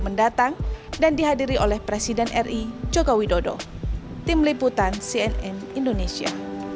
mendatang dan dihadiri oleh presiden ri joko widodo tim liputan cnn indonesia